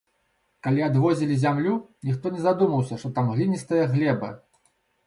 Калі адводзілі зямлю, ніхто не задумаўся, што там гліністая глеба.